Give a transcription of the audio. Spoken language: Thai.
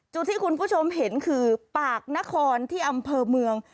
จุดที่คุณผู้ชมเห็นคือปากนครที่อำเภอเมือง